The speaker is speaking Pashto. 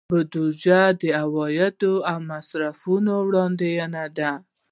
بودیجه د عوایدو او مصارفو وړاندوینه ده.